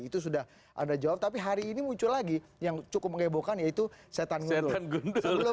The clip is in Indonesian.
itu sudah ada jawab tapi hari ini muncul lagi yang cukup mengebohkan yaitu setan ngurus